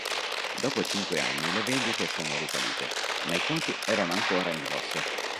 Dopo cinque anni le vendite sono risalite, ma i conti erano ancora in rosso.